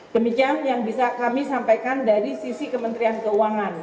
demikian yang bisa kami sampaikan dari sisi kementerian keuangan